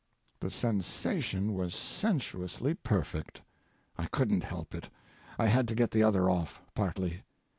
The sensation was sensuously perfect: I couldn't help it. I had to get the other off, partly.